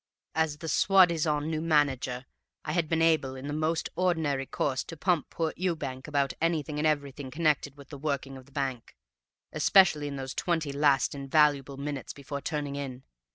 "As the soi disant new manager, I had been able, in the most ordinary course, to pump poor Ewbank about anything and everything connected with the working of the bank, especially in those twenty last invaluable minutes before turning in.